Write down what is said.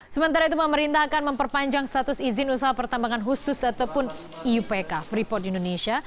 sementara itu pemerintah akan memperpanjang status izin usaha pertambangan khusus ataupun iupk freeport indonesia